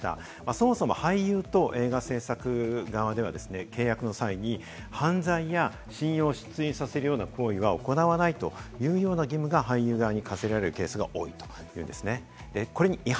そもそも俳優と映画制作側では契約の際に犯罪や信用を失墜させるような行為は行わないというような義務が俳優側に課せられるケースが多いというんですね。